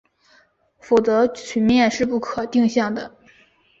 否则曲面是不可定向的。